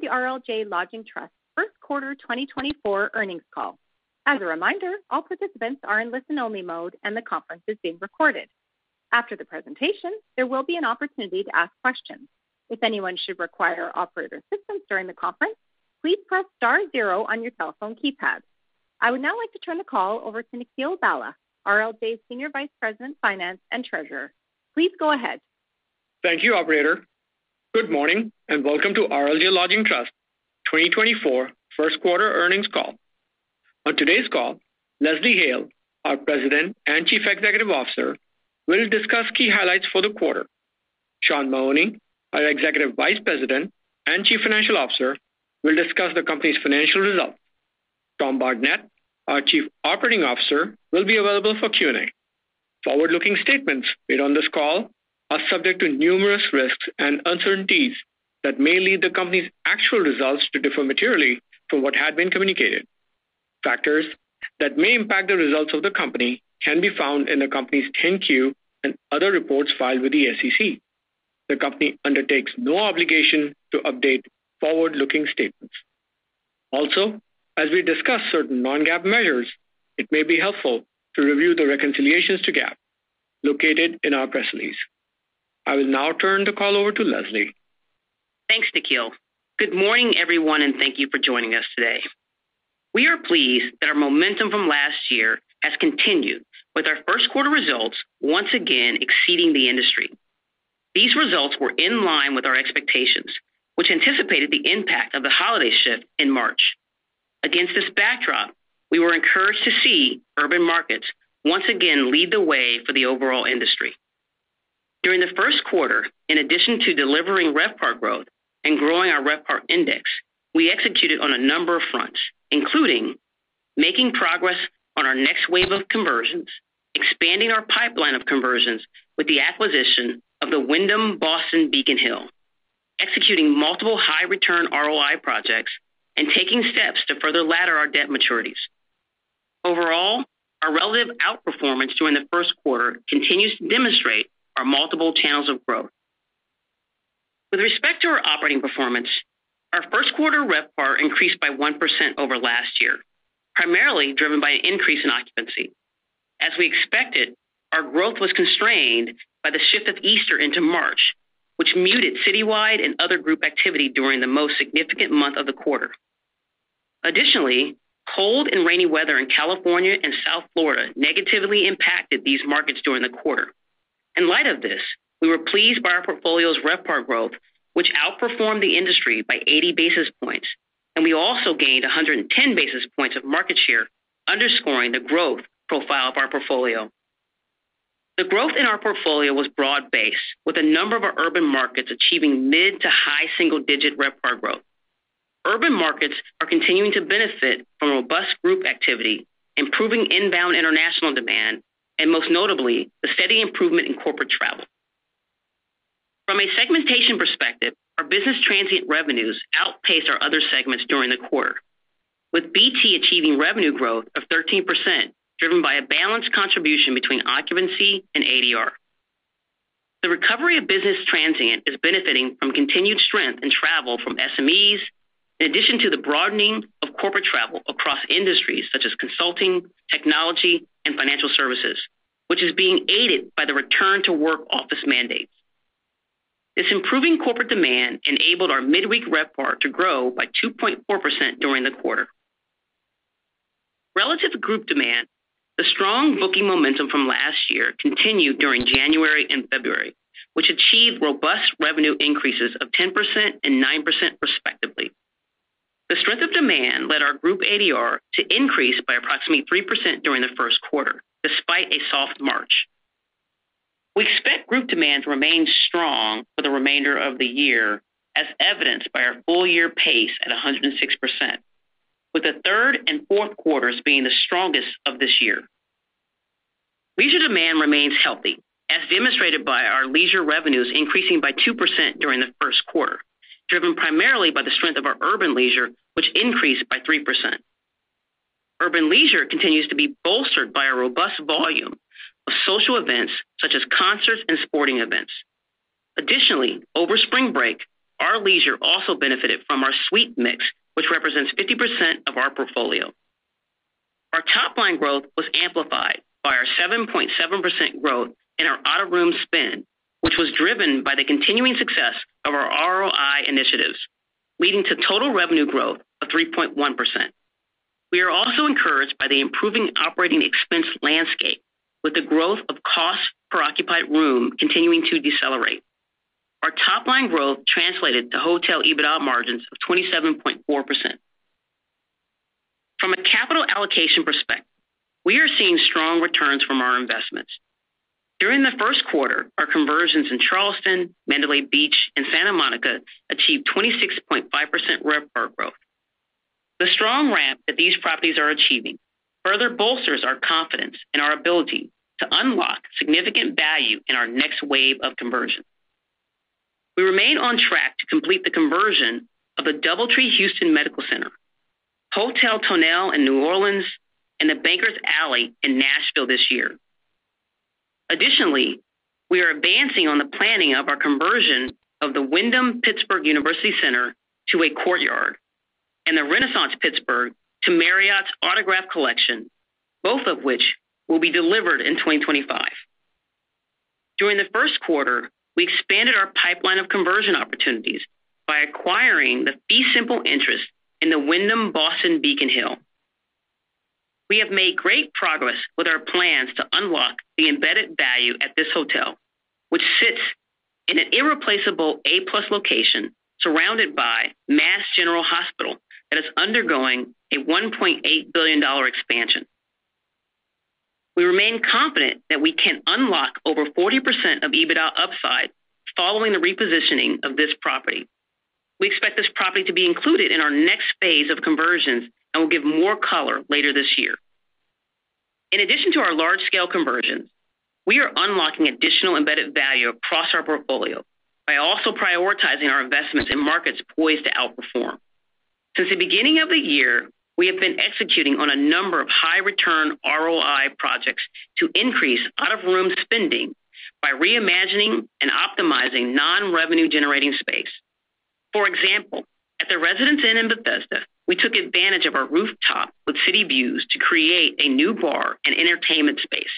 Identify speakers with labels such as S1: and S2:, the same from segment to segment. S1: Welcome to the RLJ Lodging Trust First Quarter 2024 Earnings Call. As a reminder, all participants are in listen-only mode, and the conference is being recorded. After the presentation, there will be an opportunity to ask questions. If anyone should require operator assistance during the conference, please press star zero on your cell phone keypad. I would now like to turn the call over to Nikhil Bhalla, RLJ's Senior Vice President, Finance and Treasurer. Please go ahead.
S2: Thank you, operator. Good morning, and welcome to RLJ Lodging Trust 2024 First Quarter Earnings Call. On today's call, Leslie Hale, our President and Chief Executive Officer, will discuss key highlights for the quarter. Sean Mahoney, our Executive Vice President and Chief Financial Officer, will discuss the company's financial results. Tom Bardenett, our Chief Operating Officer, will be available for Q&A. Forward-looking statements made on this call are subject to numerous risks and uncertainties that may lead the company's actual results to differ materially from what had been communicated. Factors that may impact the results of the company can be found in the company's 10-Q and other reports filed with the SEC. The company undertakes no obligation to update forward-looking statements. Also, as we discuss certain non-GAAP measures, it may be helpful to review the reconciliations to GAAP located in our press release. I will now turn the call over to Leslie.
S3: Thanks, Nikhil. Good morning, everyone, and thank you for joining us today. We are pleased that our momentum from last year has continued, with our first quarter results once again exceeding the industry. These results were in line with our expectations, which anticipated the impact of the holiday shift in March. Against this backdrop, we were encouraged to see urban markets once again lead the way for the overall industry. During the first quarter, in addition to delivering RevPAR growth and growing our RevPAR index, we executed on a number of fronts, including making progress on our next wave of conversions, expanding our pipeline of conversions with the acquisition of the Wyndham Boston Beacon Hill, executing multiple high return ROI projects, and taking steps to further ladder our debt maturities. Overall, our relative outperformance during the first quarter continues to demonstrate our multiple channels of growth. With respect to our operating performance, our first quarter RevPAR increased by 1% over last year, primarily driven by an increase in occupancy. As we expected, our growth was constrained by the shift of Easter into March, which muted citywide and other group activity during the most significant month of the quarter. Additionally, cold and rainy weather in California and South Florida negatively impacted these markets during the quarter. In light of this, we were pleased by our portfolio's RevPAR growth, which outperformed the industry by 80 basis points, and we also gained 110 basis points of market share, underscoring the growth profile of our portfolio. The growth in our portfolio was broad-based, with a number of our urban markets achieving mid to high single-digit RevPAR growth. Urban markets are continuing to benefit from robust group activity, improving inbound international demand, and most notably, the steady improvement in corporate travel. From a segmentation perspective, our business transient revenues outpaced our other segments during the quarter, with BT achieving revenue growth of 13%, driven by a balanced contribution between occupancy and ADR. The recovery of business transient is benefiting from continued strength in travel from SMEs, in addition to the broadening of corporate travel across industries such as consulting, technology, and financial services, which is being aided by the return to work office mandates. This improving corporate demand enabled our midweek RevPAR to grow by 2.4% during the quarter. Relative to group demand, the strong booking momentum from last year continued during January and February, which achieved robust revenue increases of 10% and 9%, respectively. The strength of demand led our group ADR to increase by approximately 3% during the first quarter, despite a soft March. We expect group demand to remain strong for the remainder of the year, as evidenced by our full year pace at 106%, with the third and fourth quarters being the strongest of this year. Leisure demand remains healthy, as demonstrated by our leisure revenues increasing by 2% during the first quarter, driven primarily by the strength of our urban leisure, which increased by 3%. Urban leisure continues to be bolstered by a robust volume of social events, such as concerts and sporting events. Additionally, over spring break, our leisure also benefited from our suite mix, which represents 50% of our portfolio. Our top-line growth was amplified by our 7.7% growth in our out-of-room spend, which was driven by the continuing success of our ROI initiatives, leading to total revenue growth of 3.1%. We are also encouraged by the improving operating expense landscape, with the growth of cost per occupied room continuing to decelerate. Our top-line growth translated to hotel EBITDA margins of 27.4%. From a capital allocation perspective, we are seeing strong returns from our investments. During the first quarter, our conversions in Charleston, Mandalay Beach, and Santa Monica achieved 26.5% RevPAR growth. The strong ramp that these properties are achieving further bolsters our confidence in our ability to unlock significant value in our next wave of conversions. We remain on track to complete the conversion of the DoubleTree Houston Medical Center, Hotel Tonnelle in New Orleans, and the Bankers Alley in Nashville this year. Additionally, we are advancing on the planning of our conversion of the Wyndham Pittsburgh University Center to a Courtyard, and the Renaissance Pittsburgh to Marriott's Autograph Collection, both of which will be delivered in 2025. During the first quarter, we expanded our pipeline of conversion opportunities by acquiring the fee simple interest in the Wyndham Boston Beacon Hill. We have made great progress with our plans to unlock the embedded value at this hotel, which sits in an irreplaceable A-plus location surrounded by Massachusetts General Hospital, that is undergoing a $1.8 billion expansion. We remain confident that we can unlock over 40% of EBITDA upside following the repositioning of this property. We expect this property to be included in our next phase of conversions, and we'll give more color later this year. In addition to our large-scale conversions, we are unlocking additional embedded value across our portfolio by also prioritizing our investments in markets poised to outperform. Since the beginning of the year, we have been executing on a number of high return ROI projects to increase out-of-room spending by reimagining and optimizing non-revenue generating space. For example, at the Residence Inn in Bethesda, we took advantage of our rooftop with city views to create a new bar and entertainment space.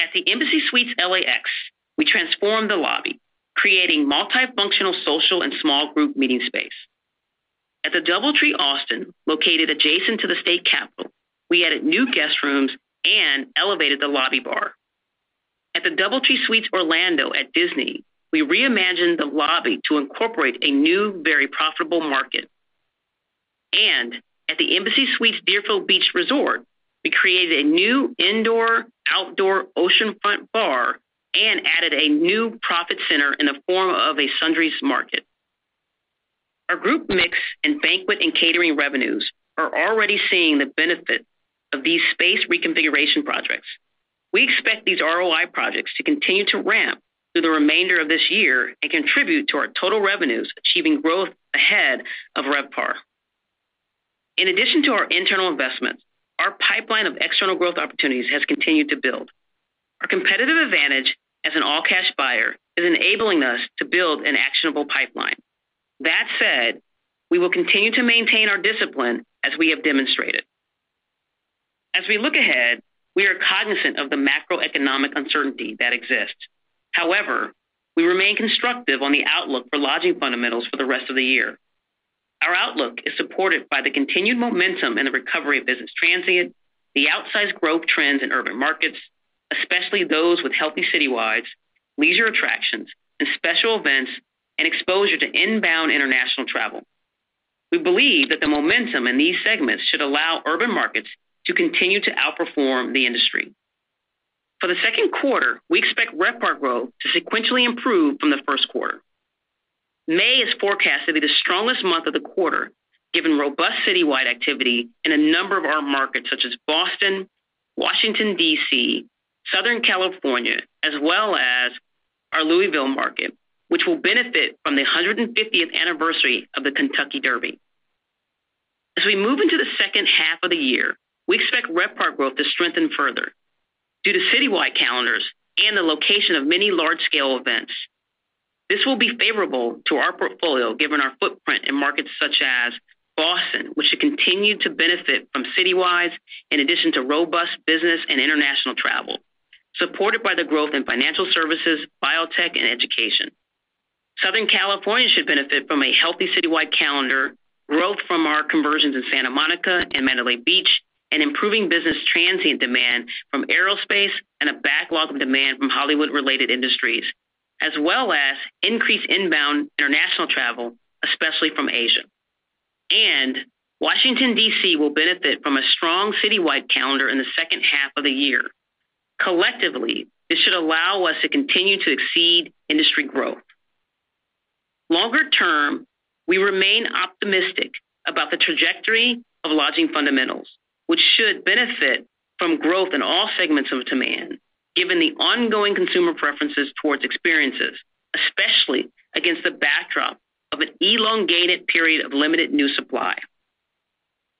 S3: At the Embassy Suites LAX, we transformed the lobby, creating multifunctional social and small group meeting space. At the DoubleTree Austin, located adjacent to the state capitol, we added new guest rooms and elevated the lobby bar. At the DoubleTree Suites Orlando at Disney, we reimagined the lobby to incorporate a new, very profitable market. At the Embassy Suites Deerfield Beach Resort, we created a new indoor, outdoor oceanfront bar and added a new profit center in the form of a sundries market. Our group mix and banquet and catering revenues are already seeing the benefit of these space reconfiguration projects. We expect these ROI projects to continue to ramp through the remainder of this year and contribute to our total revenues, achieving growth ahead of RevPAR. In addition to our internal investments, our pipeline of external growth opportunities has continued to build. Our competitive advantage as an all-cash buyer is enabling us to build an actionable pipeline. That said, we will continue to maintain our discipline, as we have demonstrated. As we look ahead, we are cognizant of the macroeconomic uncertainty that exists. However, we remain constructive on the outlook for lodging fundamentals for the rest of the year. Our outlook is supported by the continued momentum and the recovery of business transient, the outsized growth trends in urban markets, especially those with healthy citywides, leisure attractions and special events, and exposure to inbound international travel. We believe that the momentum in these segments should allow urban markets to continue to outperform the industry. For the second quarter, we expect RevPAR growth to sequentially improve from the first quarter. May is forecast to be the strongest month of the quarter, given robust citywide activity in a number of our markets, such as Boston, Washington, D.C., Southern California, as well as our Louisville market, which will benefit from the 150th anniversary of the Kentucky Derby. As we move into the second half of the year, we expect RevPAR growth to strengthen further due to citywide calendars and the location of many large-scale events. This will be favorable to our portfolio, given our footprint in markets such as Boston, which should continue to benefit from citywides, in addition to robust business and international travel, supported by the growth in financial services, biotech and education. Southern California should benefit from a healthy citywide calendar, growth from our conversions in Santa Monica and Mandalay Beach, and improving business transient demand from aerospace and a backlog of demand from Hollywood-related industries, as well as increased inbound international travel, especially from Asia. And Washington, D.C., will benefit from a strong citywide calendar in the second half of the year. Collectively, this should allow us to continue to exceed industry growth. Longer term, we remain optimistic about the trajectory of lodging fundamentals, which should benefit from growth in all segments of demand, given the ongoing consumer preferences towards experiences, especially against the backdrop of an elongated period of limited new supply.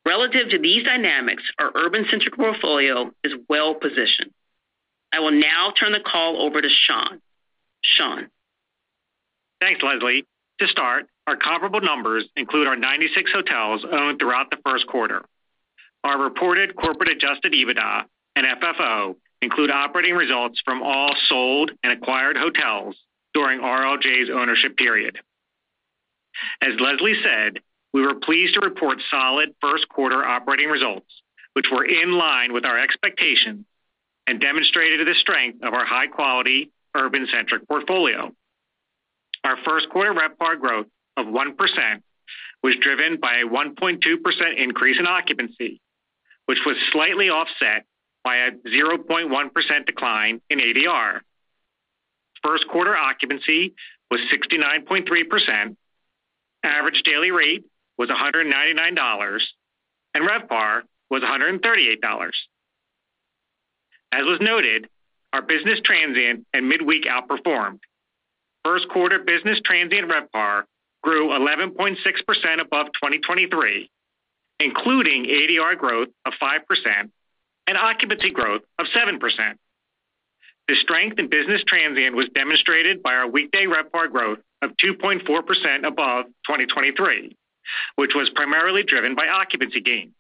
S3: Relative to these dynamics, our urban-centric portfolio is well positioned. I will now turn the call over to Sean. Sean?
S4: Thanks, Leslie. To start, our comparable numbers include our 96 hotels owned throughout the first quarter. Our reported corporate adjusted EBITDA and FFO include operating results from all sold and acquired hotels during RLJ's ownership period. As Leslie said, we were pleased to report solid first quarter operating results, which were in line with our expectations and demonstrated the strength of our high-quality, urban-centric portfolio. Our first quarter RevPAR growth of 1% was driven by a 1.2% increase in occupancy, which was slightly offset by a 0.1% decline in ADR. First quarter occupancy was 69.3%, average daily rate was $199, and RevPAR was $138. As was noted, our business transient and midweek outperformed.... First quarter business transient RevPAR grew 11.6% above 2023, including ADR growth of 5% and occupancy growth of 7%. The strength in business transient was demonstrated by our weekday RevPAR growth of 2.4% above 2023, which was primarily driven by occupancy gain.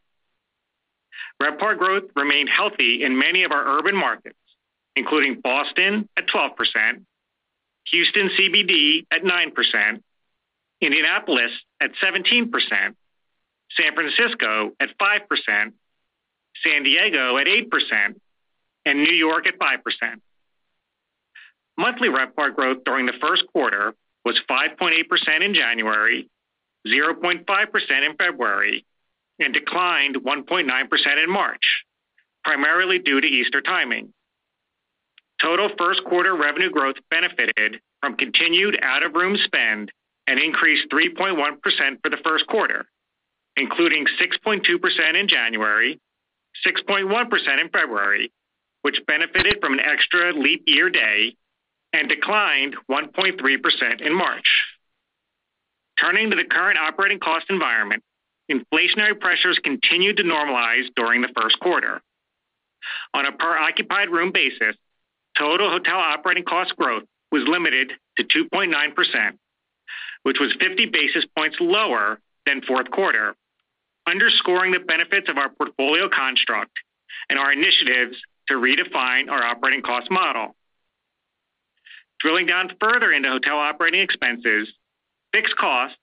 S4: RevPAR growth remained healthy in many of our urban markets, including Boston at 12%, Houston CBD at 9%, Indianapolis at 17%, San Francisco at 5%, San Diego at 8%, and New York at 5%. Monthly RevPAR growth during the first quarter was 5.8% in January, 0.5% in February, and declined 1.9% in March, primarily due to Easter timing. Total first quarter revenue growth benefited from continued out-of-room spend and increased 3.1% for the first quarter, including 6.2% in January, 6.1% in February, which benefited from an extra leap year day, and declined 1.3% in March. Turning to the current operating cost environment, inflationary pressures continued to normalize during the first quarter. On a per occupied room basis, total hotel operating cost growth was limited to 2.9%, which was 50 basis points lower than fourth quarter, underscoring the benefits of our portfolio construct and our initiatives to redefine our operating cost model. Drilling down further into hotel operating expenses, fixed costs,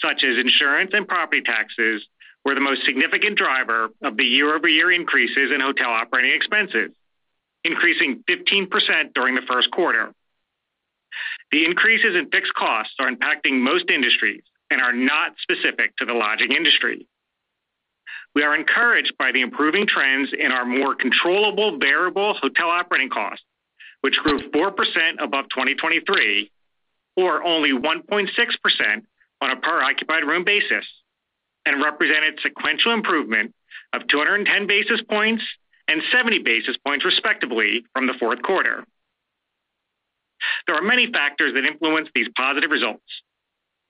S4: such as insurance and property taxes, were the most significant driver of the year-over-year increases in hotel operating expenses, increasing 15% during the first quarter. The increases in fixed costs are impacting most industries and are not specific to the lodging industry. We are encouraged by the improving trends in our more controllable, variable hotel operating costs, which grew 4% above 2023, or only 1.6% on a per occupied room basis, and represented sequential improvement of 210 basis points and 70 basis points, respectively, from the fourth quarter. There are many factors that influence these positive results,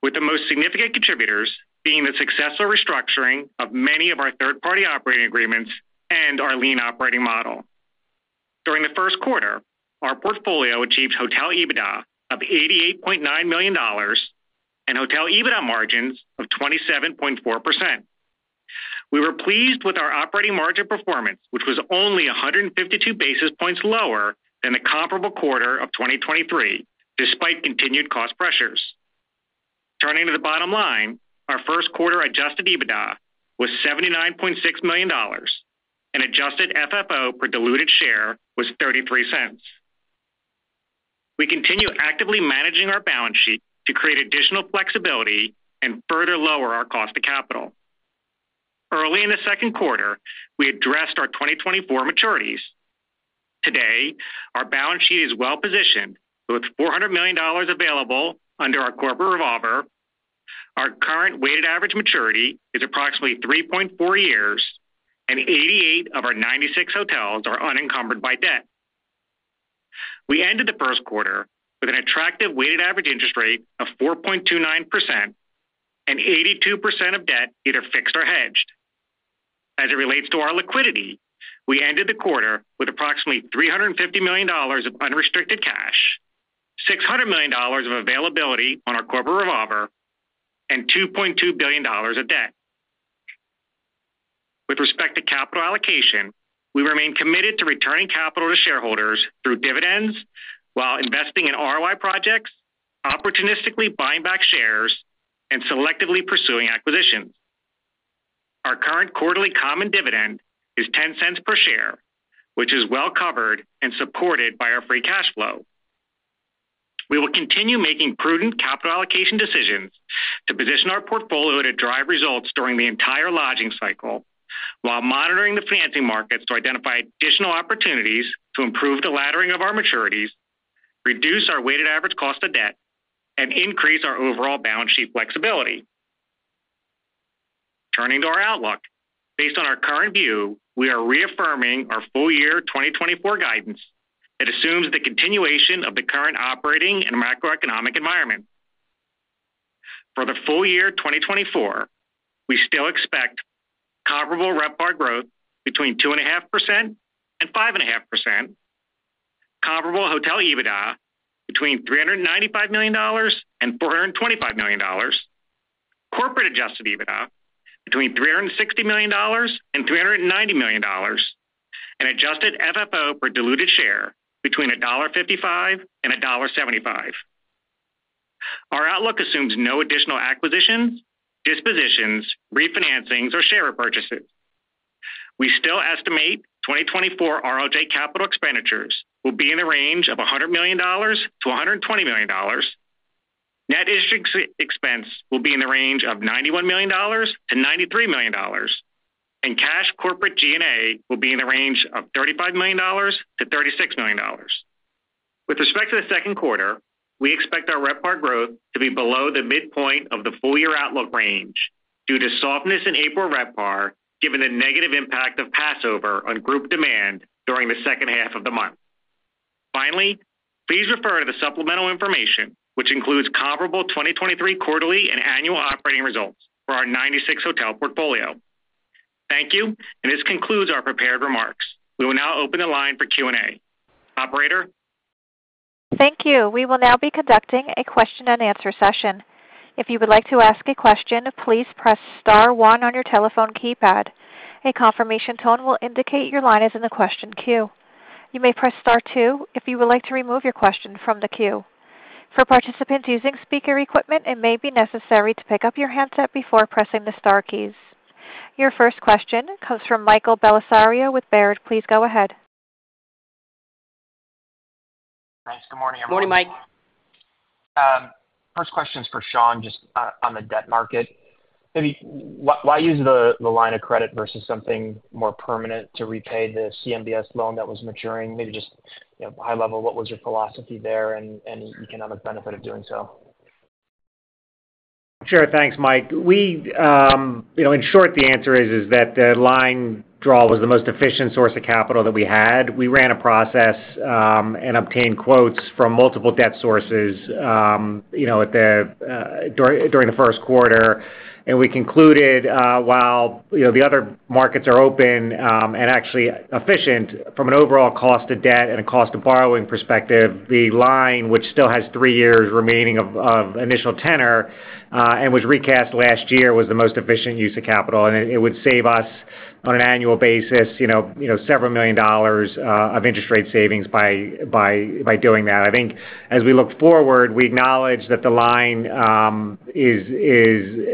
S4: with the most significant contributors being the successful restructuring of many of our third-party operating agreements and our lean operating model. During the first quarter, our portfolio achieved hotel EBITDA of $88.9 million and hotel EBITDA margins of 27.4%. We were pleased with our operating margin performance, which was only 152 basis points lower than the comparable quarter of 2023, despite continued cost pressures. Turning to the bottom line, our first quarter Adjusted EBITDA was $79.6 million, and Adjusted FFO per diluted share was $0.33. We continue actively managing our balance sheet to create additional flexibility and further lower our cost of capital. Early in the second quarter, we addressed our 2024 maturities. Today, our balance sheet is well positioned, with $400 million available under our corporate revolver. Our current weighted average maturity is approximately 3.4 years, and 88 of our 96 hotels are unencumbered by debt. We ended the first quarter with an attractive weighted average interest rate of 4.29%, and 82% of debt either fixed or hedged. As it relates to our liquidity, we ended the quarter with approximately $350 million of unrestricted cash, $600 million of availability on our corporate revolver, and $2.2 billion of debt. With respect to capital allocation, we remain committed to returning capital to shareholders through dividends while investing in ROI projects, opportunistically buying back shares, and selectively pursuing acquisitions. Our current quarterly common dividend is $0.10 per share, which is well covered and supported by our free cash flow. We will continue making prudent capital allocation decisions to position our portfolio to drive results during the entire lodging cycle, while monitoring the financing markets to identify additional opportunities to improve the laddering of our maturities, reduce our weighted average cost of debt, and increase our overall balance sheet flexibility. Turning to our outlook, based on our current view, we are reaffirming our full-year 2024 guidance. It assumes the continuation of the current operating and macroeconomic environment. For the full-year 2024, we still expect comparable RevPAR growth between 2.5% and 5.5%, comparable hotel EBITDA between $395-$425 million, corporate adjusted EBITDA between $360-$390 million, and adjusted FFO per diluted share between $1.55-$1.75. Our outlook assumes no additional acquisitions, dispositions, refinancings, or share repurchases. We still estimate 2024 ROI capital expenditures will be in the range of $100-$120 million. Net interest expense will be in the range of $91 million-$93 million, and cash corporate G&A will be in the range of $35 million-$36 million. With respect to the second quarter, we expect our RevPAR growth to be below the midpoint of the full year outlook range.... due to softness in April RevPAR, given the negative impact of Passover on group demand during the second half of the month. Finally, please refer to the supplemental information, which includes comparable 2023 quarterly and annual operating results for our 96 hotel portfolio. Thank you, and this concludes our prepared remarks. We will now open the line for Q&A. Operator?
S1: Thank you. We will now be conducting a question and answer session. If you would like to ask a question, please press star one on your telephone keypad. A confirmation tone will indicate your line is in the question queue. You may press star two if you would like to remove your question from the queue. For participants using speaker equipment, it may be necessary to pick up your handset before pressing the star keys. Your first question comes from Michael Belisario with Baird. Please go ahead.
S5: Thanks. Good morning, everyone.
S3: Good morning, Mike.
S5: First question is for Sean, just, on the debt market. Maybe why, why use the, the line of credit versus something more permanent to repay the CMBS loan that was maturing? Maybe just, you know, high level, what was your philosophy there and, and economic benefit of doing so?
S4: Sure. Thanks, Mike. We, you know, in short, the answer is that the line draw was the most efficient source of capital that we had. We ran a process, and obtained quotes from multiple debt sources, you know, at the, during the first quarter. And we concluded, while, you know, the other markets are open, and actually efficient from an overall cost of debt and a cost of borrowing perspective, the line, which still has three years remaining of initial tenor, and was recast last year, was the most efficient use of capital, and it would save us, on an annual basis, you know, several million dollars of interest rate savings by doing that. I think as we look forward, we acknowledge that the line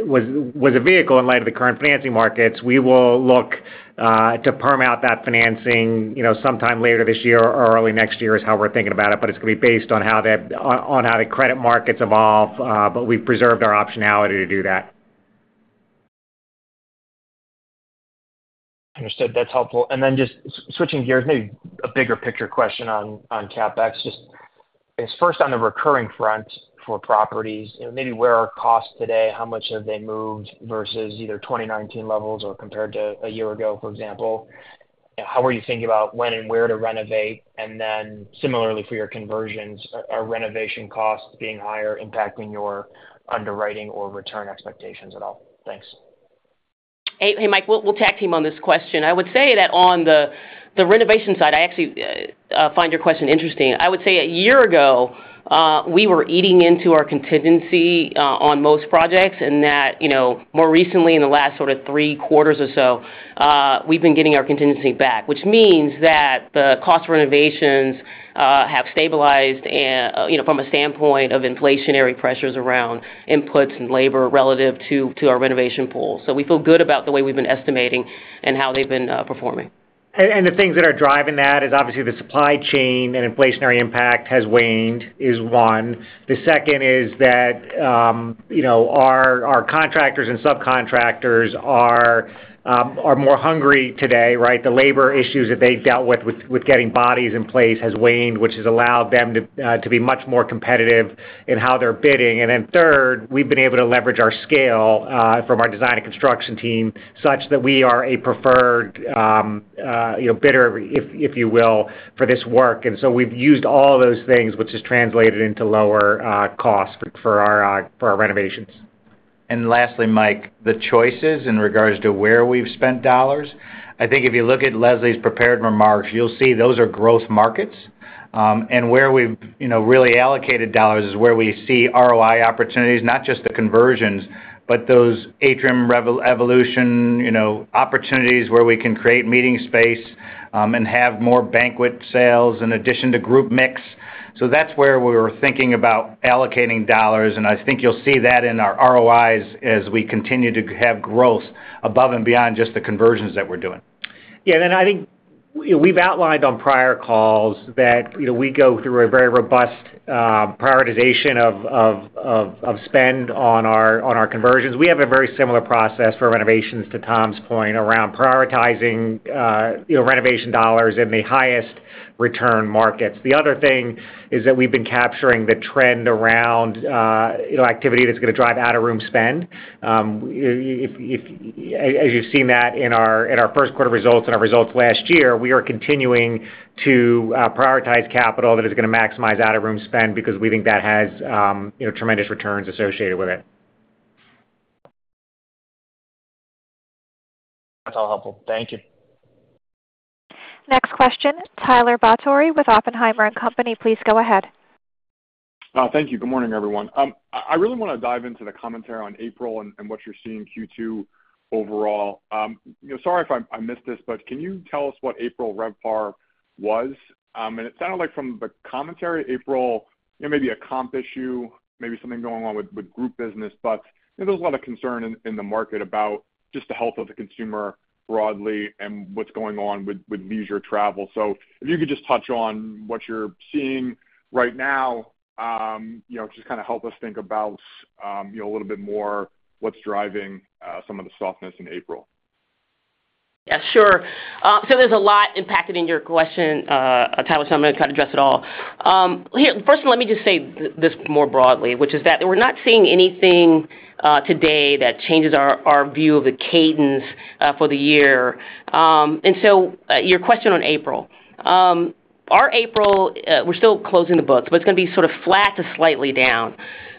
S4: was a vehicle in light of the current financing markets. We will look to perm out that financing, you know, sometime later this year or early next year, is how we're thinking about it, but it's going to be based on how the credit markets evolve, but we've preserved our optionality to do that.
S5: Understood. That's helpful. And then just switching gears, maybe a bigger picture question on, on CapEx. Just, I guess, first on the recurring front for properties, you know, maybe where are costs today? How much have they moved versus either 2019 levels or compared to a year ago, for example? How are you thinking about when and where to renovate? And then similarly, for your conversions, are, are renovation costs being higher, impacting your underwriting or return expectations at all? Thanks.
S3: Hey, hey, Mike, we'll tag team on this question. I would say that on the renovation side, I actually find your question interesting. I would say a year ago, we were eating into our contingency on most projects, and that, you know, more recently, in the last sort of three quarters or so, we've been getting our contingency back, which means that the cost of renovations have stabilized, and, you know, from a standpoint of inflationary pressures around inputs and labor relative to our renovation pool. So we feel good about the way we've been estimating and how they've been performing.
S4: The things that are driving that is obviously the supply chain and inflationary impact has waned, is one. The second is that, you know, our contractors and subcontractors are more hungry today, right? The labor issues that they've dealt with getting bodies in place has waned, which has allowed them to be much more competitive in how they're bidding. And then third, we've been able to leverage our scale from our design and construction team, such that we are a preferred, you know, bidder, if you will, for this work. And so we've used all of those things, which has translated into lower costs for our renovations.
S6: And lastly, Mike, the choices in regards to where we've spent dollars, I think if you look at Leslie's prepared remarks, you'll see those are growth markets. And where we've, you know, really allocated dollars is where we see ROI opportunities, not just the conversions, but those atrium evolution, you know, opportunities where we can create meeting space, and have more banquet sales in addition to group mix. So that's where we were thinking about allocating dollars, and I think you'll see that in our ROIs as we continue to have growth above and beyond just the conversions that we're doing.
S4: Yeah, and I think, you know, we've outlined on prior calls that, you know, we go through a very robust prioritization of spend on our conversions. We have a very similar process for renovations, to Tom's point, around prioritizing, you know, renovation dollars in the highest return markets. The other thing is that we've been capturing the trend around, you know, activity that's going to drive out-of-room spend. If, as you've seen that in our first quarter results and our results last year, we are continuing to prioritize capital that is going to maximize out-of-room spend, because we think that has, you know, tremendous returns associated with it.
S5: That's all helpful. Thank you.
S1: Next question, Tyler Batory with Oppenheimer and Company. Please go ahead.
S7: Thank you. Good morning, everyone. I really want to dive into the commentary on April and what you're seeing in Q2 overall. You know, sorry if I missed this, but can you tell us what April RevPAR was? And it sounded like from the commentary, April, you know, maybe a comp issue, maybe something going on with group business. You know, there's a lot of concern in the market about just the health of the consumer broadly and what's going on with leisure travel. So if you could just touch on what you're seeing right now, you know, just kind of help us think about, you know, a little bit more what's driving some of the softness in April. ...
S3: Yeah, sure. So there's a lot impacted in your question, Tyler, so I'm gonna try to address it all. First, let me just say this more broadly, which is that we're not seeing anything today that changes our view of the cadence for the year. And so, your question on April. Our April, we're still closing the books, but it's gonna be sort of flat to slightly down.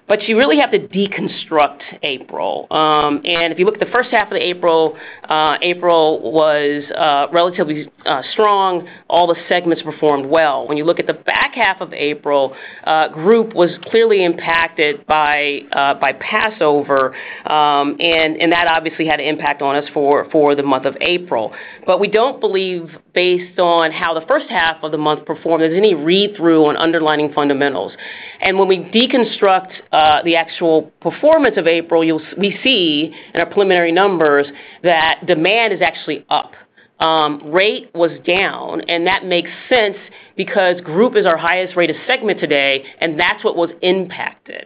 S3: But you really have to deconstruct April. And if you look at the first half of April, April was relatively strong. All the segments performed well. When you look at the back half of April, group was clearly impacted by Passover, and that obviously had an impact on us for the month of April. We don't believe, based on how the first half of the month performed, there's any read-through on underlying fundamentals. When we deconstruct the actual performance of April, we see in our preliminary numbers that demand is actually up. Rate was down, and that makes sense because group is our highest rated segment today, and that's what was impacted.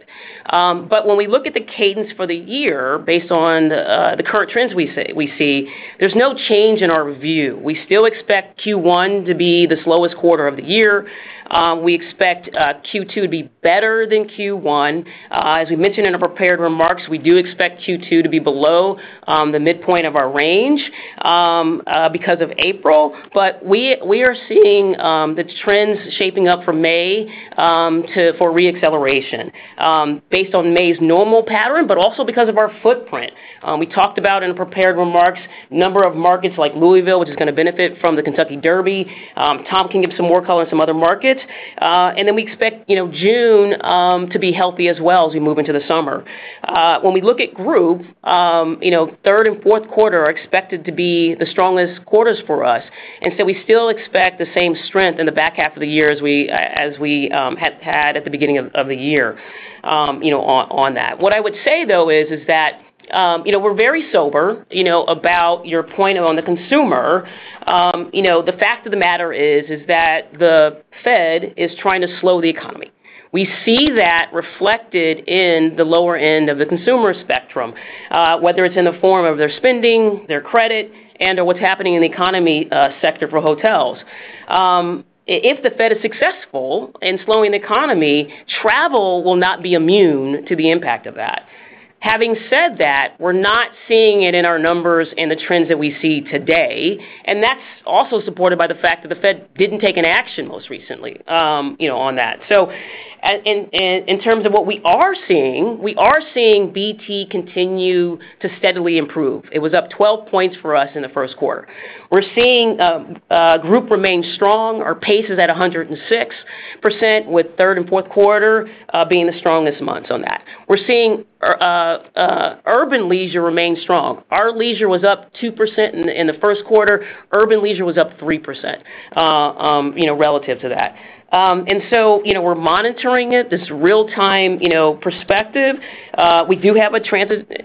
S3: But when we look at the cadence for the year, based on the current trends we see, we see there's no change in our view. We still expect Q1 to be the slowest quarter of the year. We expect Q2 to be better than Q1. As we mentioned in our prepared remarks, we do expect Q2 to be below the midpoint of our range because of April. But we are seeing the trends shaping up for May for re-acceleration based on May's normal pattern, but also because of our footprint. We talked about in prepared remarks number of markets like Louisville, which is gonna benefit from the Kentucky Derby. Tom can give some more color on some other markets. And then we expect, you know, June to be healthy as well as we move into the summer. When we look at group, you know, third and fourth quarter are expected to be the strongest quarters for us, and so we still expect the same strength in the back half of the year as we had at the beginning of the year, you know, on that. What I would say, though, is that, you know, we're very sober, you know, about your point on the consumer. You know, the fact of the matter is that the Fed is trying to slow the economy. We see that reflected in the lower end of the consumer spectrum, whether it's in the form of their spending, their credit, and/or what's happening in the economy sector for hotels. If the Fed is successful in slowing the economy, travel will not be immune to the impact of that. Having said that, we're not seeing it in our numbers and the trends that we see today, and that's also supported by the fact that the Fed didn't take an action most recently, you know, on that. So in terms of what we are seeing, we are seeing BT continue to steadily improve. It was up 12 points for us in the first quarter. We're seeing group remain strong. Our pace is at 106%, with third and fourth quarter being the strongest months on that. We're seeing urban leisure remain strong. Our leisure was up 2% in the first quarter. Urban leisure was up 3%, you know, relative to that. And so, you know, we're monitoring it, this real-time perspective. We do have a transient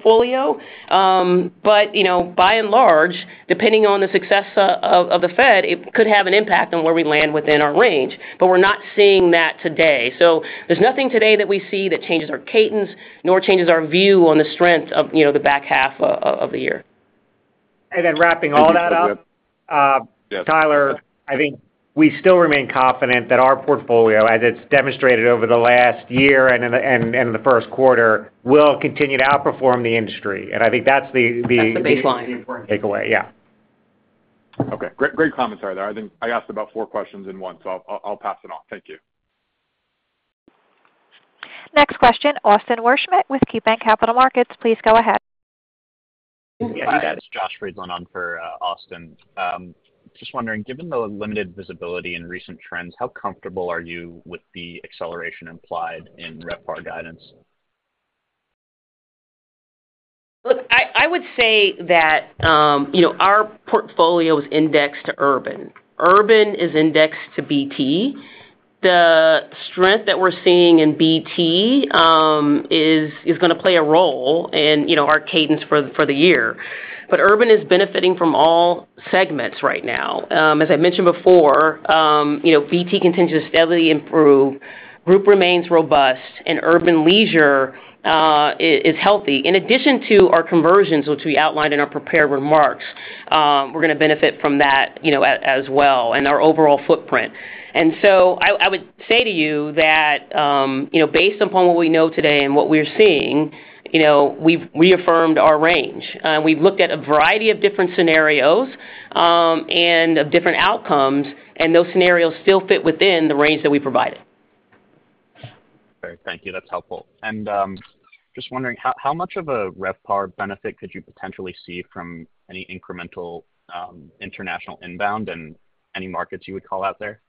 S3: portfolio, but you know, by and large, depending on the success of the Fed, it could have an impact on where we land within our range. But we're not seeing that today. So there's nothing today that we see that changes our cadence, nor changes our view on the strength of, you know, the back half of the year.
S4: And then wrapping all that up, Tyler, I think we still remain confident that our portfolio, as it's demonstrated over the last year and in the first quarter, will continue to outperform the industry. I think that's the-
S3: That's the baseline.
S4: Takeaway. Yeah.
S6: Okay, great, great comments are there. I think I asked about four questions in one, so I'll, I'll, I'll pass it on. Thank you.
S1: Next question, Austin Wurschmidt with KeyBanc Capital Markets. Please go ahead.
S8: Yeah, hi, guys. Josh Friedland on for Austin. Just wondering, given the limited visibility in recent trends, how comfortable are you with the acceleration implied in RevPAR guidance?
S3: Look, I would say that, you know, our portfolio is indexed to urban. Urban is indexed to BT. The strength that we're seeing in BT is gonna play a role in, you know, our cadence for the year. But urban is benefiting from all segments right now. As I mentioned before, you know, BT continues to steadily improve, group remains robust, and urban leisure is healthy. In addition to our conversions, which we outlined in our prepared remarks, we're gonna benefit from that, you know, as well, and our overall footprint. And so I would say to you that, you know, based upon what we know today and what we're seeing, you know, we've reaffirmed our range. We've looked at a variety of different scenarios, and of different outcomes, and those scenarios still fit within the range that we provided.
S8: Great, thank you. That's helpful. And just wondering, how much of a RevPAR benefit could you potentially see from any incremental international inbound and any markets you would call out there?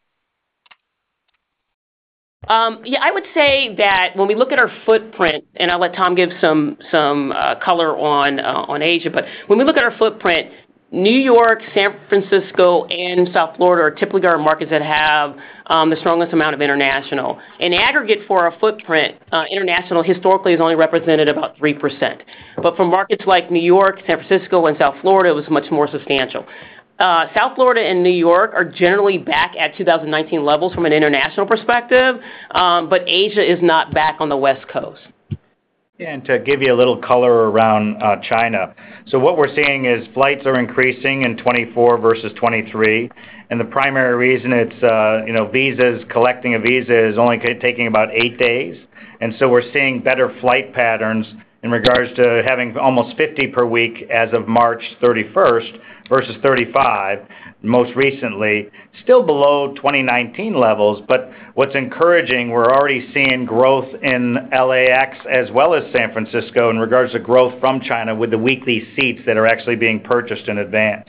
S3: Yeah, I would say that when we look at our footprint, and I'll let Tom give some color on Asia. But when we look at our footprint, New York, San Francisco, and South Florida are typically our markets that have the strongest amount of international. In aggregate, for our footprint, international historically has only represented about 3%, but for markets like New York, San Francisco, and South Florida, it was much more substantial... South Florida and New York are generally back at 2019 levels from an international perspective, but Asia is not back on the West Coast.
S6: To give you a little color around China. So what we're seeing is flights are increasing in 2024 versus 2023, and the primary reason it's, you know, visas, collecting a visa is only taking about 8 days. And so we're seeing better flight patterns in regards to having almost 50 per week as of March 31st versus 35, most recently. Still below 2019 levels, but what's encouraging, we're already seeing growth in LAX as well as San Francisco in regards to growth from China with the weekly seats that are actually being purchased in advance.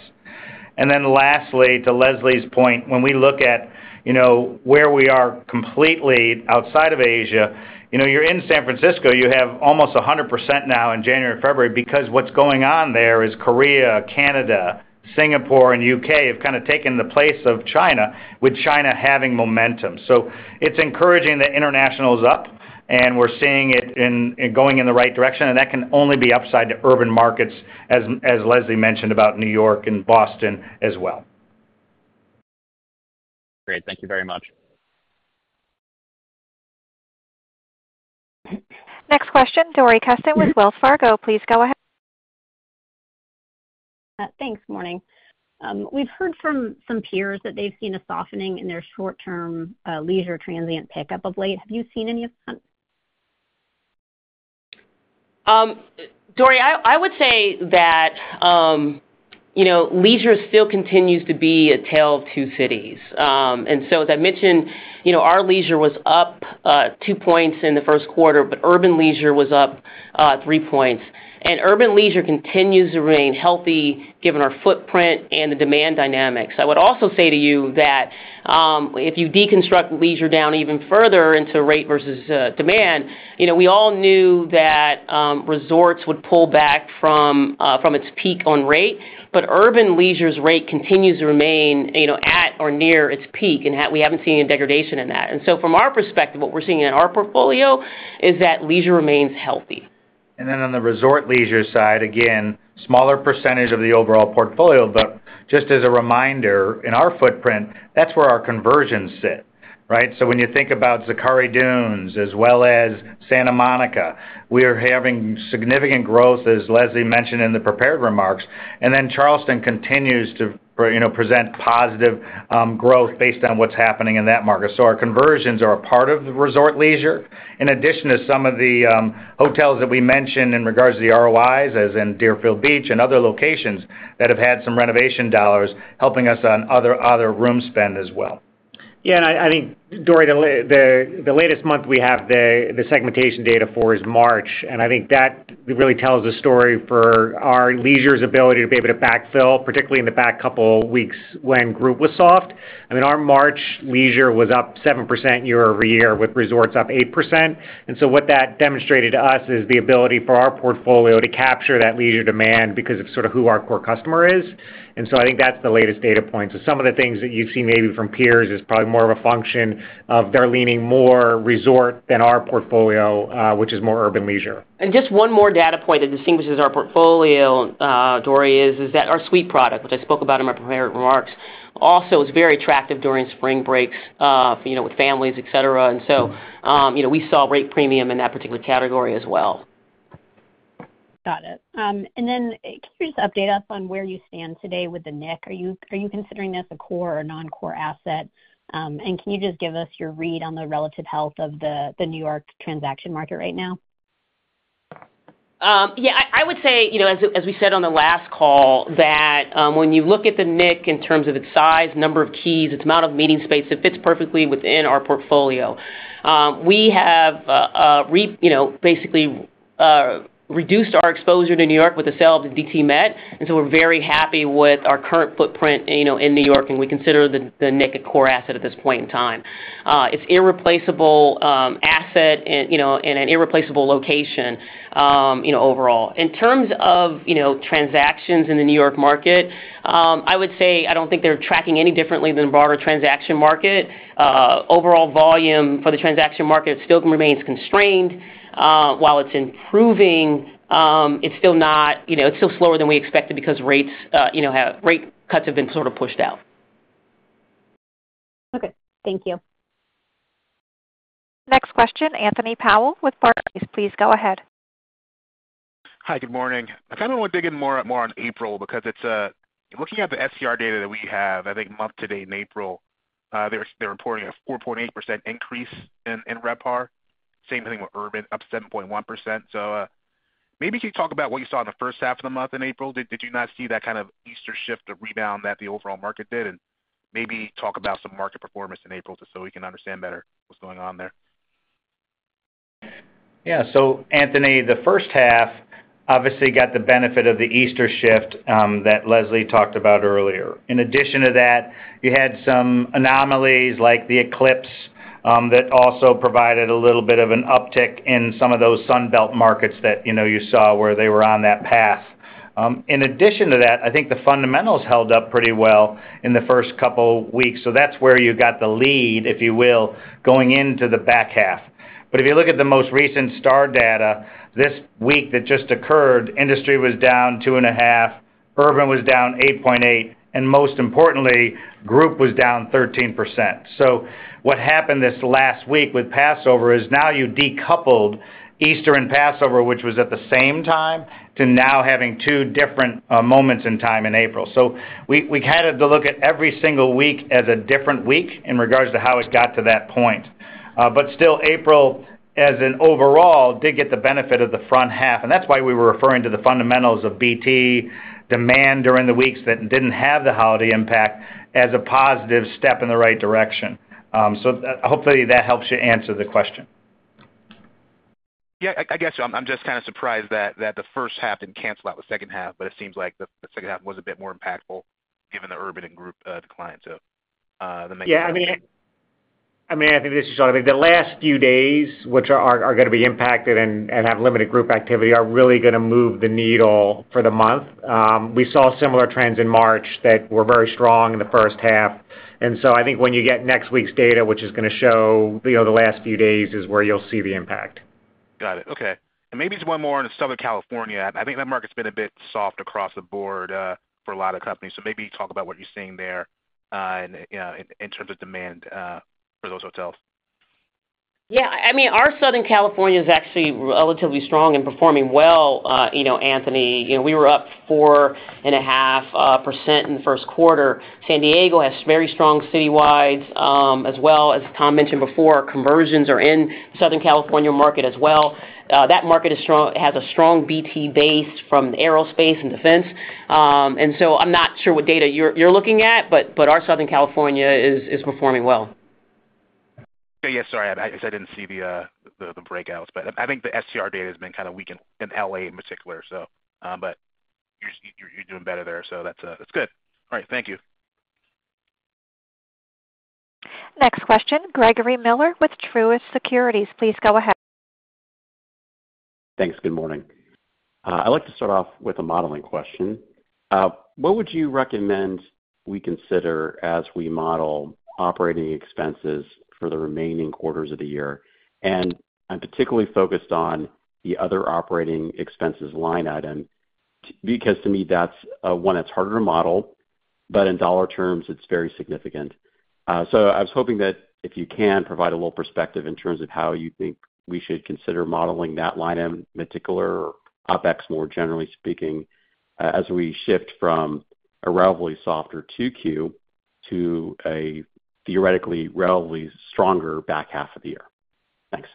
S6: And then lastly, to Leslie's point, when we look at, you know, where we are completely outside of Asia, you know, you're in San Francisco, you have almost 100% now in January, February, because what's going on there is Korea, Canada, Singapore, and UK have kind of taken the place of China, with China having momentum. So it's encouraging that international is up, and we're seeing it, going in the right direction, and that can only be upside to urban markets, as, as Leslie mentioned about New York and Boston as well.
S8: Great. Thank you very much.
S1: Next question, Dori Kesten with Wells Fargo. Please go ahead.
S9: Thanks. Morning. We've heard from some peers that they've seen a softening in their short-term leisure transient pickup of late. Have you seen any of that?
S3: Dori, I would say that, you know, leisure still continues to be a tale of two cities. And so as I mentioned, you know, our leisure was up 2 points in the first quarter, but urban leisure was up 3 points. And urban leisure continues to remain healthy, given our footprint and the demand dynamics. I would also say to you that, if you deconstruct leisure down even further into rate versus demand, you know, we all knew that, resorts would pull back from its peak on rate, but urban leisure's rate continues to remain, you know, at or near its peak, and we haven't seen any degradation in that. And so from our perspective, what we're seeing in our portfolio is that leisure remains healthy.
S4: And then on the resort leisure side, again, smaller percentage of the overall portfolio, but just as a reminder, in our footprint, that's where our conversions sit, right? So when you think about Zachari Dunes as well as Santa Monica, we are having significant growth, as Leslie mentioned in the prepared remarks. And then Charleston continues to, you know, present positive growth based on what's happening in that market. So our conversions are a part of the resort leisure, in addition to some of the hotels that we mentioned in regards to the ROIs, as in Deerfield Beach and other locations that have had some renovation dollars, helping us on other room spend as well.
S6: Yeah, and I think, Dori, the latest month we have the segmentation data for is March, and I think that really tells a story for our leisure's ability to be able to backfill, particularly in the back couple weeks when group was soft. I mean, our March leisure was up 7% year-over-year, with resorts up 8%. And so what that demonstrated to us is the ability for our portfolio to capture that leisure demand because of sort of who our core customer is. And so I think that's the latest data point. So some of the things that you've seen maybe from peers is probably more of a function of they're leaning more resort than our portfolio, which is more urban leisure.
S3: Just one more data point that distinguishes our portfolio, Dori, is that our suite product, which I spoke about in my prepared remarks, also is very attractive during spring break, you know, with families, et cetera. So, you know, we saw rate premium in that particular category as well.
S9: Got it. And then, can you just update us on where you stand today with the Knick? Are you considering this a core or non-core asset? And can you just give us your read on the relative health of the New York transaction market right now?
S3: Yeah, I would say, you know, as we said on the last call, that when you look at the Knick in terms of its size, number of keys, its amount of meeting space, it fits perfectly within our portfolio. We have, you know, basically reduced our exposure to New York with the sale of the DT Met, and so we're very happy with our current footprint, you know, in New York, and we consider the Knick a core asset at this point in time. It's irreplaceable asset and, you know, and an irreplaceable location, you know, overall. In terms of, you know, transactions in the New York market, I would say I don't think they're tracking any differently than the broader transaction market. Overall volume for the transaction market still remains constrained. While it's improving, it's still not... You know, it's still slower than we expected because rates, rate cuts have been sort of pushed out.
S9: Okay, thank you.
S1: Next question, Anthony Powell with Barclays. Please go ahead.
S10: Hi, good morning. I kind of want to dig in more, more on April, because it's looking at the STR data that we have, I think month to date in April, they're reporting a 4.8% increase in RevPAR. Same thing with urban, up 7.1%. So, maybe can you talk about what you saw in the first half of the month in April? Did you not see that kind of Easter shift or rebound that the overall market did? And maybe talk about some market performance in April, just so we can understand better what's going on there.
S6: Yeah. So Anthony, the first half obviously got the benefit of the Easter shift that Leslie talked about earlier. In addition to that, you had some anomalies like the eclipse that also provided a little bit of an uptick in some of those Sun Belt markets that, you know, you saw where they were on that path. In addition to that, I think the fundamentals held up pretty well in the first couple weeks. So that's where you got the lead, if you will, going into the back half.... But if you look at the most recent STAR data, this week that just occurred, industry was down 2.5, urban was down 8.8, and most importantly, group was down 13%. So what happened this last week with Passover is now you decoupled Easter and Passover, which was at the same time, to now having two different moments in time in April. So we kind of had to look at every single week as a different week in regards to how it got to that point. But still, April, as an overall, did get the benefit of the front half, and that's why we were referring to the fundamentals of BT demand during the weeks that didn't have the holiday impact as a positive step in the right direction. So hopefully, that helps you answer the question.
S10: Yeah, I, I guess so. I'm just kind of surprised that, that the first half didn't cancel out the second half, but it seems like the, the second half was a bit more impactful given the urban and group decline, so, the-
S4: Yeah, I mean, I think this is sort of the last few days, which are gonna be impacted and have limited group activity, are really gonna move the needle for the month. We saw similar trends in March that were very strong in the first half. And so I think when you get next week's data, which is gonna show, you know, the last few days, is where you'll see the impact.
S10: Got it. Okay. And maybe just one more on Southern California. I think that market's been a bit soft across the board for a lot of companies. So maybe talk about what you're seeing there, in, you know, in terms of demand for those hotels.
S3: Yeah, I mean, our Southern California is actually relatively strong and performing well, you know, Anthony. You know, we were up 4.5% in the first quarter. San Diego has very strong citywide, as well as Tom mentioned before, conversions are in Southern California market as well. That market is strong, has a strong BT base from aerospace and defense. And so I'm not sure what data you're looking at, but our Southern California is performing well.
S10: Yeah, sorry, I guess I didn't see the breakouts, but I think the STR data has been kind of weak in LA in particular, so but you're doing better there, so that's good. All right. Thank you.
S1: Next question, Gregory Miller with Truist Securities. Please go ahead.
S11: Thanks. Good morning. I'd like to start off with a modeling question. What would you recommend we consider as we model operating expenses for the remaining quarters of the year? And I'm particularly focused on the other operating expenses line item, because to me, that's one, it's harder to model, but in dollar terms, it's very significant. So I was hoping that if you can provide a little perspective in terms of how you think we should consider modeling that line item in particular, OpEx, more generally speaking, as we shift from a relatively softer 2Q to a theoretically, relatively stronger back half of the year. Thanks.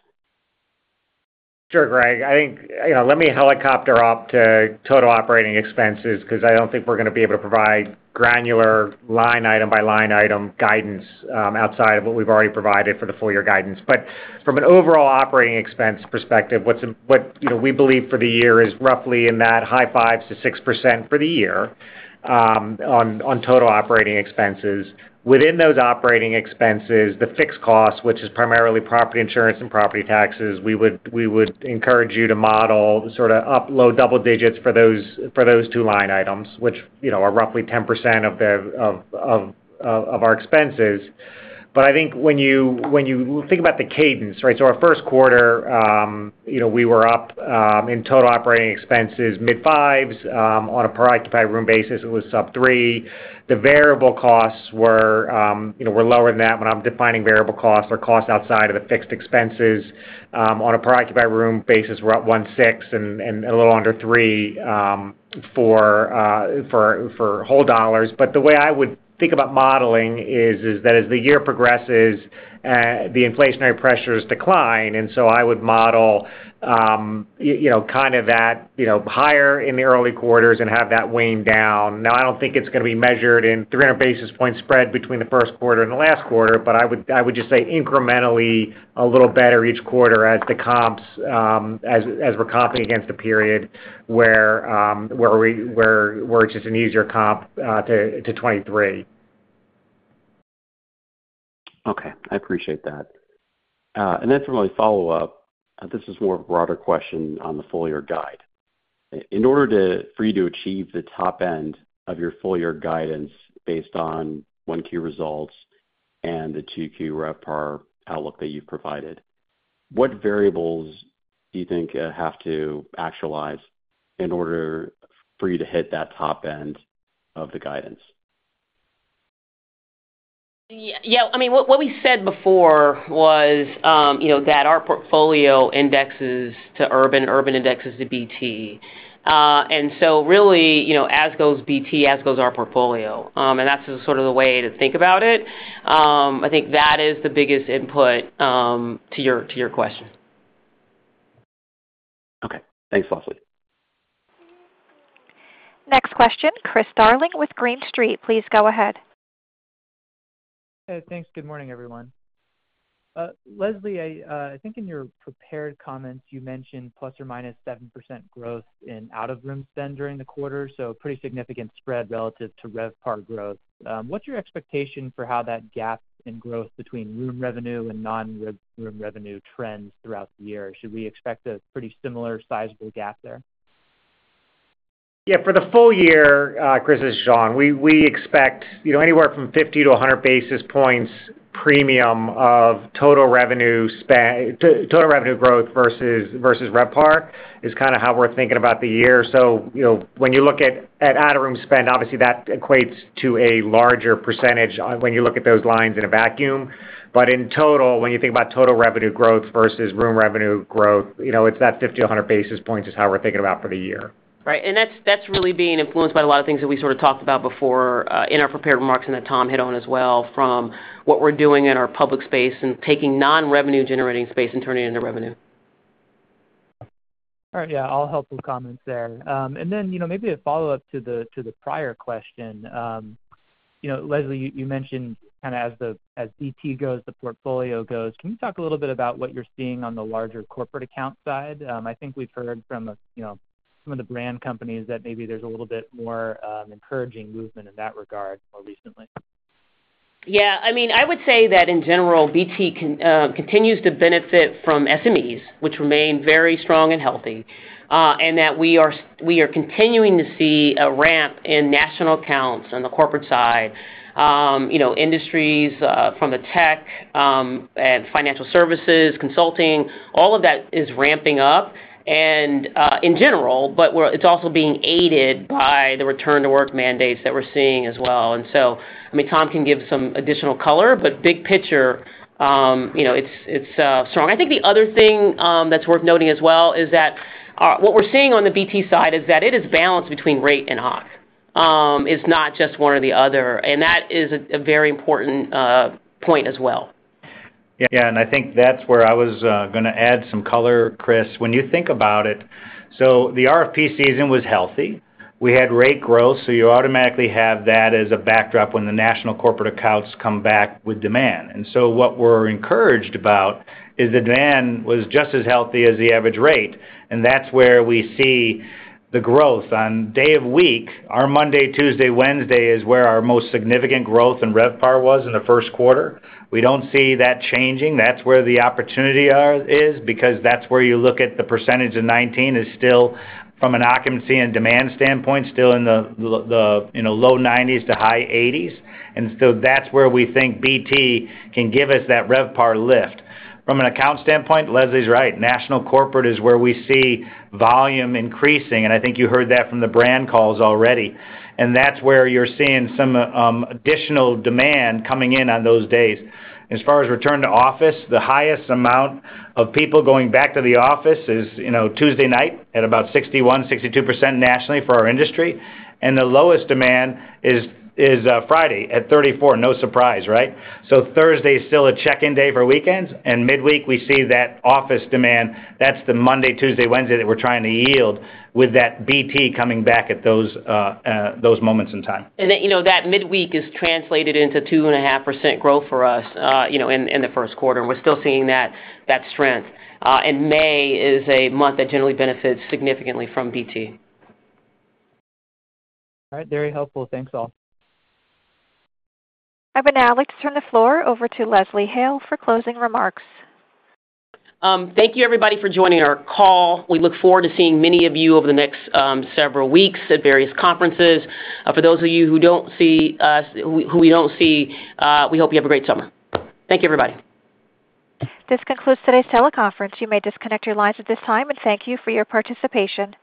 S4: Sure, Greg, I think, you know, let me helicopter up to total operating expenses because I don't think we're going to be able to provide granular line item by line item guidance, outside of what we've already provided for the full year guidance. But from an overall operating expense perspective, what you know we believe for the year is roughly in that high 5s-6% for the year, on total operating expenses. Within those operating expenses, the fixed costs, which is primarily property insurance and property taxes, we would encourage you to model sort of low double digits for those two line items, which, you know, are roughly 10% of our expenses. But I think when you think about the cadence, right? Our first quarter, you know, we were up in total operating expenses, mid-5%, on a per occupied room basis, it was sub-3%. The variable costs were, you know, were lower than that. When I'm defining variable costs or costs outside of the fixed expenses, on a per occupied room basis, we're up $1.6 and a little under $3 for whole dollars. But the way I would think about modeling is that as the year progresses, the inflationary pressures decline, and so I would model, you know, kind of higher in the early quarters and have that weighing down. Now, I don't think it's going to be measured in 300 basis points spread between the first quarter and the last quarter, but I would just say incrementally, a little better each quarter as the comps, as we're comping against a period where it's just an easier comp to 2023.
S11: Okay. I appreciate that. And then to follow up, this is more of a broader question on the full year guide. In order to, for you to achieve the top end of your full year guidance based on 1Q results and the 2Q RevPAR outlook that you've provided, what variables do you think have to actualize in order for you to hit that top end of the guidance?
S3: Yeah, I mean, what we said before was, you know, that our portfolio indexes to urban, urban indexes to BT. And so really, you know, as goes BT, as goes our portfolio, and that's the sort of the way to think about it. I think that is the biggest input to your question.
S11: Okay. Thanks, Leslie.
S1: Next question, Chris Darling with Green Street. Please go ahead.
S12: Hey, thanks. Good morning, everyone. Leslie, I think in your prepared comments, you mentioned ±7% growth in out-of-room spend during the quarter, so a pretty significant spread relative to RevPAR growth. What's your expectation for how that gap in growth between room revenue and non-room revenue trends throughout the year? Should we expect a pretty similar sizable gap there? ...
S6: Yeah, for the full year, Chris, this is John. We expect, you know, anywhere from 50-100 basis points premium of total revenue growth versus RevPAR, is kind of how we're thinking about the year. So, you know, when you look at out-of-room spend, obviously that equates to a larger percentage when you look at those lines in a vacuum. But in total, when you think about total revenue growth versus room revenue growth, you know, it's that 50-100 basis points is how we're thinking about for the year.
S3: Right, and that's really being influenced by a lot of things that we sort of talked about before in our prepared remarks, and that Tom hit on as well, from what we're doing in our public space and taking non-revenue generating space and turning it into revenue.
S12: All right. Yeah, all helpful comments there. And then, you know, maybe a follow-up to the prior question. You know, Leslie, you mentioned kind of as BT goes, the portfolio goes. Can you talk a little bit about what you're seeing on the larger corporate account side? I think we've heard from the, you know, some of the brand companies that maybe there's a little bit more, encouraging movement in that regard more recently.
S3: Yeah. I mean, I would say that in general, BT continues to benefit from SMEs, which remain very strong and healthy. And that we are continuing to see a ramp in national accounts on the corporate side. You know, industries from the tech and financial services, consulting, all of that is ramping up. And in general, but it's also being aided by the return-to-work mandates that we're seeing as well. And so, I mean, Tom can give some additional color, but big picture, you know, it's, it's strong. I think the other thing that's worth noting as well is that what we're seeing on the BT side is that it is balanced between rate and occupancy. It's not just one or the other, and that is a very important point as well.
S6: Yeah, and I think that's where I was gonna add some color, Chris. When you think about it, so the RFP season was healthy. We had rate growth, so you automatically have that as a backdrop when the national corporate accounts come back with demand. And so what we're encouraged about is the demand was just as healthy as the average rate, and that's where we see the growth. On day of week, our Monday, Tuesday, Wednesday is where our most significant growth in RevPAR was in the first quarter. We don't see that changing. That's where the opportunity is, because that's where you look at the percentage in 2019 is still, from an occupancy and demand standpoint, still in the, the, you know, low 90s to high 80s. And so that's where we think BT can give us that RevPAR lift. From an account standpoint, Leslie's right, national corporate is where we see volume increasing, and I think you heard that from the brand calls already. And that's where you're seeing some additional demand coming in on those days. As far as return to office, the highest amount of people going back to the office is, you know, Tuesday night, at about 61-62% nationally for our industry, and the lowest demand is Friday at 34%. No surprise, right? So Thursday is still a check-in day for weekends, and midweek, we see that office demand. That's the Monday, Tuesday, Wednesday that we're trying to yield with that BT coming back at those moments in time.
S3: That, you know, that midweek is translated into 2.5% growth for us, you know, in the first quarter, and we're still seeing that strength. And May is a month that generally benefits significantly from BT.
S12: All right. Very helpful. Thanks, all.
S1: I would now like to turn the floor over to Leslie Hale for closing remarks.
S3: Thank you, everybody, for joining our call. We look forward to seeing many of you over the next several weeks at various conferences. For those of you who don't see us, who we don't see, we hope you have a great summer. Thank you, everybody.
S1: This concludes today's teleconference. You may disconnect your lines at this time, and thank you for your participation.